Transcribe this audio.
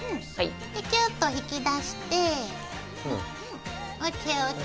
でキュッと引き出してＯＫＯＫ！